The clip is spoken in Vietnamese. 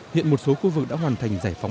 hiện một số khu vực đã hoàn thành giải phóng